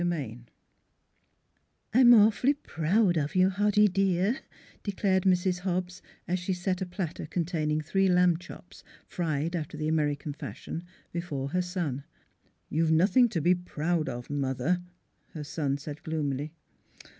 XXVIII "T 'M awfully proud of you, Hoddy dear," de clared Mrs. Hobbs, as she set a platter containing three lamb chops, fried after the American fashion, before her son. " You've nothing to be proud of, mother," her son said gloomily.